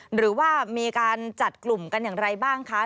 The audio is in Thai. หรือว่ามีการจัดกลุ่มกันอย่างไรบ้างคะ